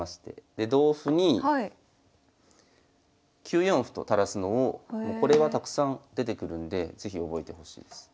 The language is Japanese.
で同歩に９四歩と垂らすのをこれはたくさん出てくるんで是非覚えてほしいです。